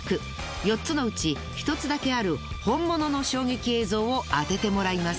４つのうち１つだけある本物の衝撃映像を当ててもらいます。